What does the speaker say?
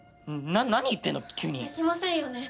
な何言ってんの急にできませんよね